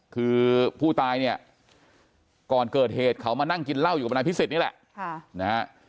คือผู้ตายเนี่ยก่อนเกิดเหตุเขามานั่งกินเหล้าอยู่กับนายพิสิทธินี่แหละนะฮะ